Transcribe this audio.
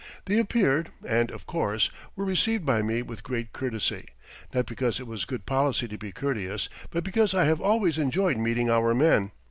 They appeared and, of course, were received by me with great courtesy, not because it was good policy to be courteous, but because I have always enjoyed meeting our men.